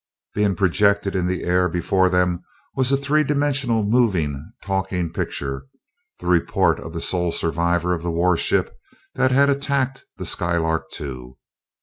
Being projected in the air before them was a three dimensional moving, talking picture the report of the sole survivor of the warship that had attacked the Skylark II.